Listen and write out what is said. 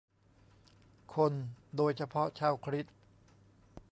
คนโดยเฉพาะชาวคริสต์